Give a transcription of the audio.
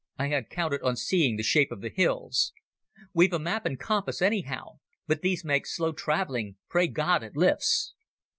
"I had counted on seeing the shape of the hills." "We've a map and compass, anyhow. But these make slow travelling. Pray God it lifts!"